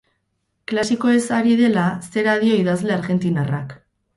Klasikoez ari dela, zera dio idazle argentinarrak.